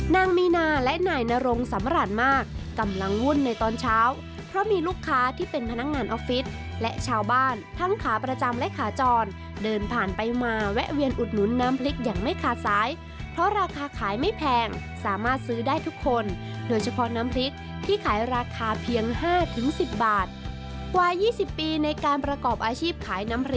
นางมีนาและนายนรงสำราญมากกำลังวุ่นในตอนเช้าเพราะมีลูกค้าที่เป็นพนักงานออฟฟิศและชาวบ้านทั้งขาประจำและขาจรเดินผ่านไปมาแวะเวียนอุดหนุนน้ำพริกอย่างไม่ขาดสายเพราะราคาขายไม่แพงสามารถซื้อได้ทุกคนโดยเฉพาะน้ำพริกที่ขายราคาเพียง๕๑๐บาทกว่า๒๐ปีในการประกอบอาชีพขายน้ำริ